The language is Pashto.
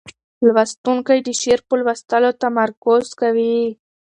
لوستونکی د شعر په لوستلو تمرکز کوي.